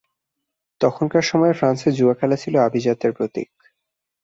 তখনকার সময়ে ফ্রান্সে জুয়া খেলা ছিল আভিজাত্যের প্রতীক।